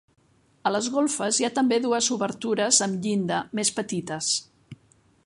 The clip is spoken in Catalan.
A les golfes hi ha també dues obertures amb llinda, més petites.